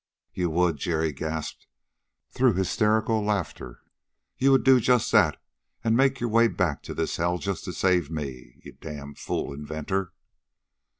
"You would," Jerry gasped through hysterical laughter. "You would do just that, and make your way back to this hell just to save me you damn fool inventor!"